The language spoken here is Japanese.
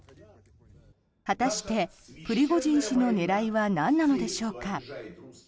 果たして、プリゴジン氏の狙いはなんなのでしょうか。